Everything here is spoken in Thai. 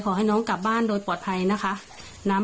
ขอให้น้องกลับบ้านโดยปลอดภัยนะคะ